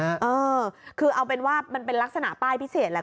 เออคือเอาเป็นว่ามันเป็นลักษณะป้ายพิเศษแหละ